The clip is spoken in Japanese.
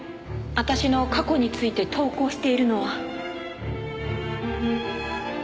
私の過去について投稿しているのは。